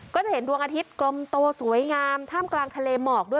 ก็จะเห็นดวงอาทิตย์กลมโตสวยงามท่ามกลางทะเลหมอกด้วย